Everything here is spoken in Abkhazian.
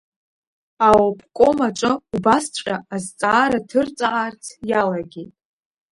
Аобком аҿы убасҵәҟьа азҵаара ҭырҵаарц иалагеит.